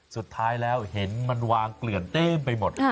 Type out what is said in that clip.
สุดท้ายแล้วเห็นมันวางเกลื่อนเต็มไปหมด